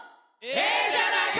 ええじゃないか！」